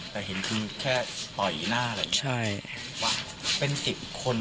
แต่เห็นคือแค่ต่ออีกหน้าอะไรอย่างนี้